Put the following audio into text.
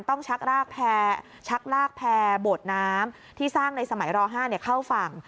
ชักรากแพรชักลากแพร่โบดน้ำที่สร้างในสมัยร๕เข้าฝั่ง